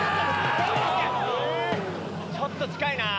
ちょっと近いなぁ。